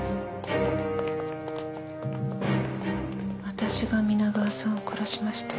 私が皆川さんを殺しました。